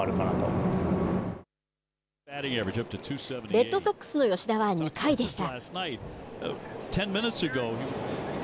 レッドソックスの吉田は２回でした。